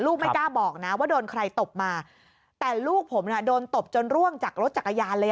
ไม่กล้าบอกนะว่าโดนใครตบมาแต่ลูกผมน่ะโดนตบจนร่วงจากรถจักรยานเลย